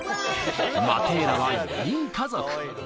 マテーラは４人家族。